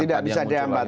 tidak bisa dihambat